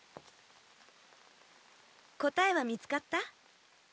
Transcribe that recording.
答えは見つかった？